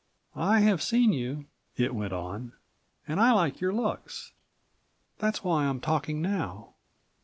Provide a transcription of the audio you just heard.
"I have seen you," it went on, "and I like your looks. That's why I'm talking now."